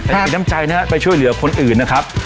แต่ดำใจนะฮะไปช่วยเหลือคนอื่นนะครับ